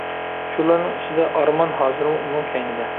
شۇلارنىڭ ئىچىدە ئارمان ھازىرمۇ ئۇنىڭ كەينىدە.